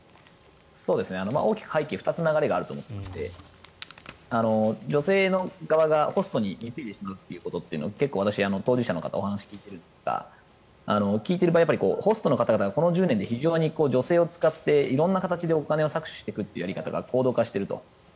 大きく背景２つ流れがあると思っていて女性の側がホストに貢いでしまうことは結構、私当事者の方にお話を聞いているんですが聞いていると、ホストの方この１０年で非常に女性を使って色んな形でお金を搾取していくやり方が高度化していると。